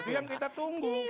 itu yang kita tunggu